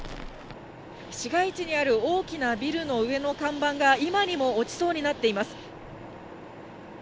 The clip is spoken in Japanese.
市街地にある大きなビルの上の看板が今にも落ちそうになっています。